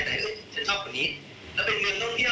แต่อื้อฉันชอบคนนี้แล้วเป็นเงินท่องเที่ยว